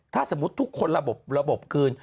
ถ้าสมมุติทุกคนระบบระบบคืน